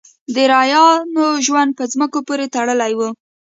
د رعایا ژوند په ځمکو پورې تړلی و.